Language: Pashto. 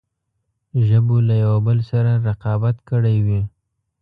ژبو له یوه بل سره رقابت کړی وي.